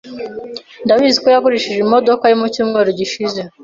Ndabizi ko yagurishije imodoka ye mucyumweru gishize.